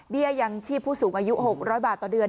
ยังชีพผู้สูงอายุ๖๐๐บาทต่อเดือน